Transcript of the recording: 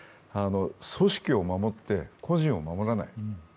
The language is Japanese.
組織を守って、個人を守らない。